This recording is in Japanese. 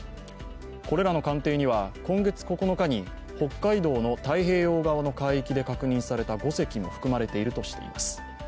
これらの艦艇には今月９日に北海道の太平洋側の海域で確認された５隻も含まれているとしています。